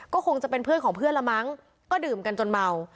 ก็คงจะเป็นเพื่อนของเพื่อนละมั้งก็ดื่มกันจนเมา